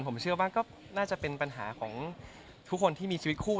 ผมเชื่อว่าก็น่าจะเป็นปัญหาของทุกคนที่มีชีวิตคู่